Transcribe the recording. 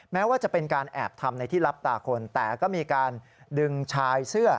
แม้ว่าจะเป็นการแอบทำในที่รับตาคนแต่ก็มีการดึงชายเสื้อ